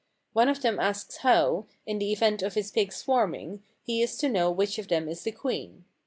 One of them asks how, in the event of his pigs swarming, he is to know which of them is the queen.